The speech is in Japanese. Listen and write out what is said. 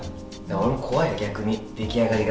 俺怖い、逆に出来上がりが。